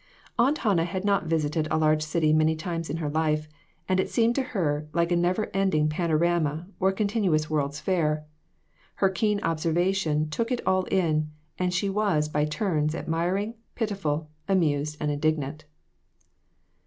Aunt Hannah had not visited a large city many times in her life, and it seemed to her like a never ending panorama or a continuous world's fair. Her keen observation took it all in, and she was by turns admiring, pitiful, amused and indignant.